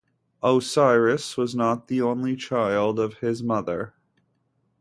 Osiris was not the only child of his mother.